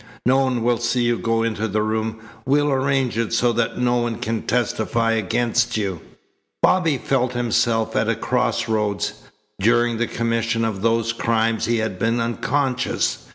No one will see you go in the room. We'll arrange it so that no one can testify against you." Bobby felt himself at a cross roads. During the commission of those crimes he had been unconscious.